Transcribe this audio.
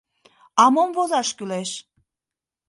— А мом возаш кӱлеш?